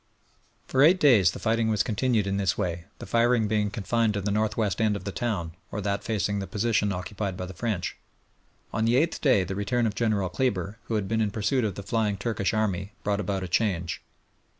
For eight days the fighting was continued in this way, the firing being confined to the north west end of the town, or that facing the position occupied by the French. On the eighth day the return of General Kleber, who had been in pursuit of the flying Turkish army, brought about a change.